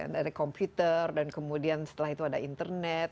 dari komputer dan kemudian setelah itu ada internet